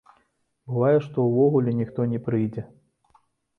Бывае, што ўвогуле ніхто не прыйдзе.